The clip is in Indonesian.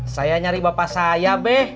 saya nyari bapak saya be